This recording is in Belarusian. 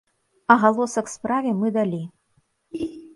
Агалосак справе мы далі.